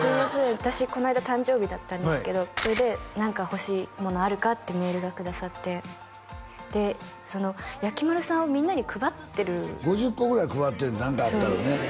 私この間誕生日だったんですけどそれで何か欲しいものあるかってメールをくださってでやきまるさんをみんなに配ってる５０個ぐらい配ってん何かあったらね